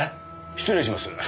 失礼します。